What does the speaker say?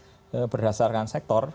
ya jadi kontribusi berdasarkan sektor